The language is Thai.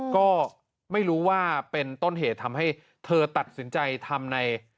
ก็ไม่รู้ว่าเป็นต้นเหตุทำให้เธอตัดสินใจทำใน